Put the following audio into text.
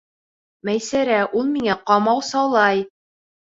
Мәйсәрә, ул миңә ҡамасаулай!